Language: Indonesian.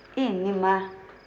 apa yang kalian bicarakan